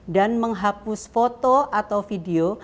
dan menghapus foto atau video